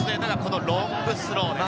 ロングスローです。